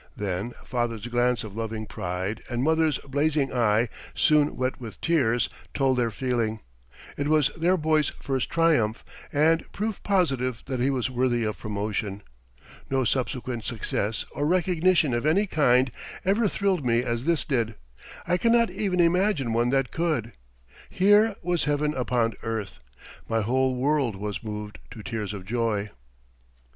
Then father's glance of loving pride and mother's blazing eye soon wet with tears, told their feeling. It was their boy's first triumph and proof positive that he was worthy of promotion. No subsequent success, or recognition of any kind, ever thrilled me as this did. I cannot even imagine one that could. Here was heaven upon earth. My whole world was moved to tears of joy.